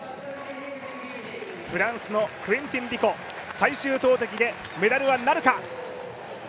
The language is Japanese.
フランスのクエンティン・ビコ、最終投てきでメダルはなるか。